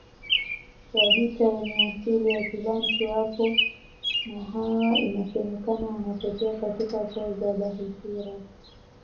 Wajita wenye asili ya Kibantu wapo na hawa inasemekana wanatokea katika koo za Bahitira